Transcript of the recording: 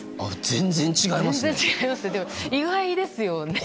全然違いますね。